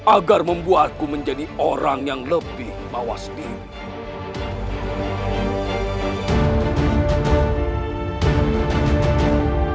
agar membuatku menjadi orang yang lebih mawas diri